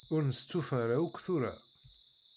Ur nestufa ara akk tura.